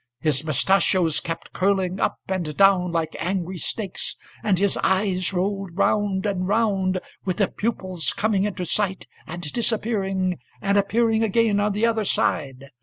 His mustachios kept curling up and down like angry snakes, And his eyes rolled round and round, With the pupils coming into sight, and disappearing, And appearing again on the other side.